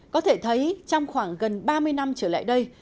có thể thấy trong khoảng gần ba mươi năm trở lại đây